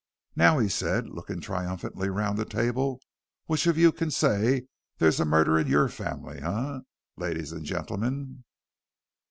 Now," he said, looking triumphantly round the table, "which of you can say there's a murder in your family eh, ladies and gentlemen?"